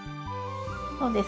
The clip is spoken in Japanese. そうですね。